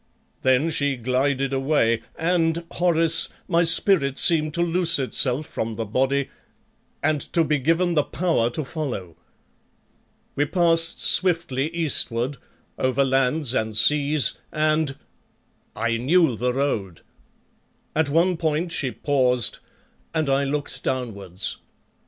"Then she glided away, and, Horace, my spirit seemed to loose itself from the body and to be given the power to follow. We passed swiftly eastward, over lands and seas, and I knew the road. At one point she paused and I looked downwards.